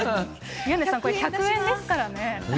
宮根さん、これ、１００円ですからね。